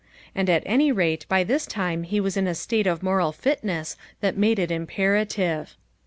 And at any rate by this time he was in a state of moral fitness that made it imperative.